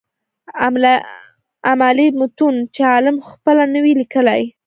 امالي متون چي عالم خپله نه وي ليکلي.